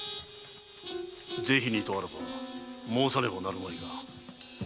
ぜひにとあらば申さねばなるまいが。